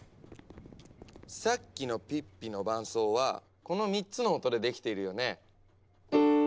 さっきのピッピの伴奏はこの３つの音でできているよね。